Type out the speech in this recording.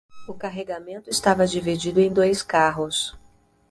O carregamento estava dividido em dois carros